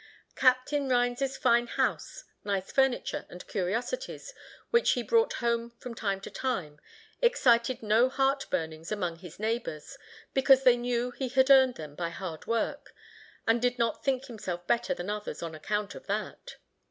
Captain Rhines's fine house, nice furniture, and curiosities which he brought home from time to time, excited no heart burnings among his neighbors, because they knew he had earned them by hard work, and did not think himself better than others on account of that.